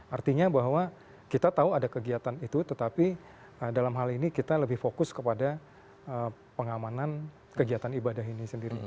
artinya bahwa kita tahu ada kegiatan itu tetapi dalam hal ini kita lebih fokus kepada pengamanan kegiatan ibadah ini sendiri